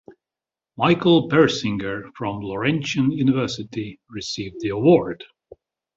Michael Persinger, from Laurentian University, received the award.